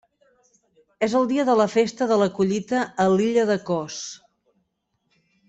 És el dia de la festa de la collita a l'illa de Kos.